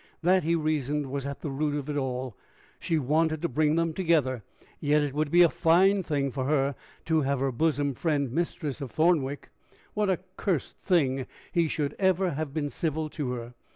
That, he reasoned, was at the root of it all: she wanted to bring them together yet: it would be a fine thing for her to have her bosom friend mistress of Thornwick! What a cursed thing he should ever have been civil to her!